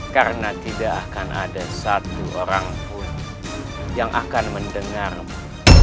karena tidak akan ada satu orang pun yang akan mendengarmu